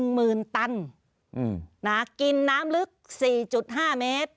หมื่นตันกินน้ำลึก๔๕เมตร